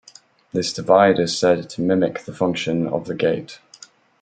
This divide is said to mimic the function of the gate.